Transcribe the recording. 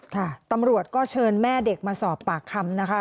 ตำรวจก็เชิญแม่เด็กมาสอบปากคำนะคะ